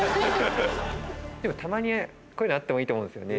でもたまにこういうのあってもいいと思うんですよね。